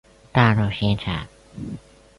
道路新城。